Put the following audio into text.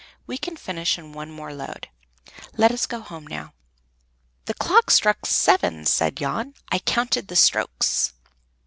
We can finish in one more load; let us go home now." "The clock struck seven," cried Jan. "I counted the strokes."